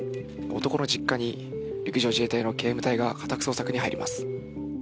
男の実家に陸上自衛隊の警務隊が家宅捜索に入ります。